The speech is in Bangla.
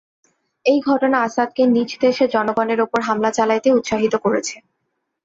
এই ঘটনা আসাদকে নিজ দেশের জনগণের ওপর হামলা চালাতেই উৎসাহিত করেছে।